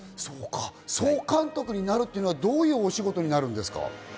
総監督になるというのは、どういうお仕事になるんですか？